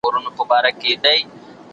هغه څوک چي ږغ اوري پام کوي؟!